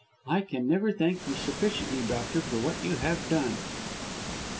I can never thank you sufficiently, doctor, for what you have done."